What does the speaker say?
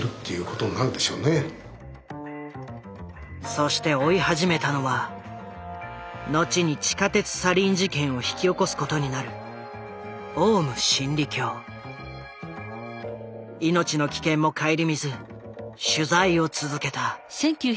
そして追い始めたのは後に地下鉄サリン事件を引き起こすことになる命の危険も顧みず取材を続けた。